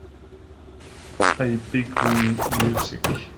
Play biguine music.